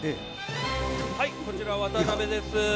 はい、こちら渡辺です。